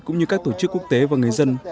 cũng như các tổ chức quốc tế và người dân